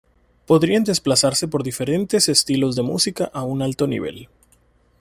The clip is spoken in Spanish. Podían desplazarse por diferentes estilos de música a un alto nivel.